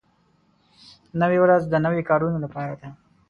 نوې ورځ د نویو کارونو لپاره ده